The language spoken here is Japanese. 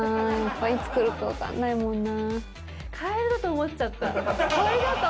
いつ来るか分かんないもんな。